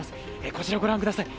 こちらご覧ください。